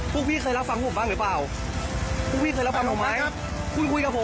คุณพี่เคยเลิกฟังผมหรือเปล่าคุณพี่ที่เคยเลิกฟังผมหรือเปล่า